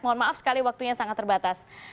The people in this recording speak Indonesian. mohon maaf sekali waktunya sangat terbatas